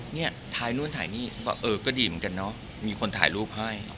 เนี่ยถ่ายนู่นถ่ายนี่ก็เออก็ดีเหมือนกันเนาะมีคนถ่ายรูปให้